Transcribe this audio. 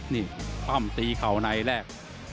นี่พร่ำตีเขาในแรก